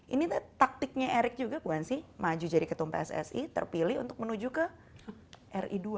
ini taktiknya erik juga kwan sih maju jadi ketumpe ssi terpilih untuk menuju ke ri dua